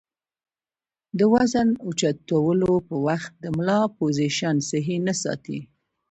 د وزن اوچتولو پۀ وخت د ملا پوزيشن سهي نۀ ساتي